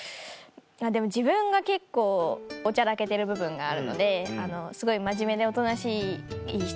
でも自分が結構おちゃらけてる部分があるのですごい真面目でおとなしいいい人。